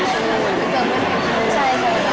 ห้ามชู่